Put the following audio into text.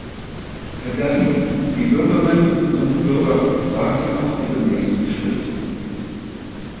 Herr Dalli, die Bürgerinnen und Bürger warten auf Ihren nächsten Schritt.